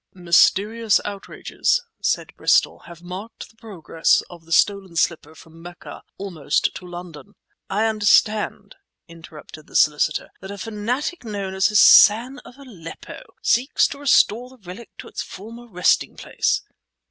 "Mysterious outrages," said Bristol, "have marked the progress of the stolen slipper from Mecca almost to London." "I understand," interrupted the solicitor, "that a fanatic known as Hassan of Aleppo seeks to restore the relic to its former resting place."